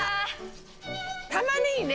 たまねぎね